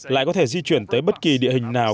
lại có thể di chuyển tới bất kỳ địa hình nào